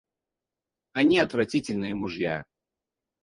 Они отвратительные мужья.